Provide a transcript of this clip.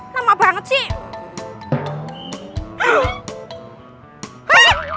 lama banget sih